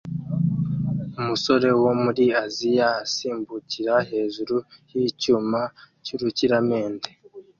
Umusore wo muri Aziya asimbukira hejuru yicyuma cyurukiramende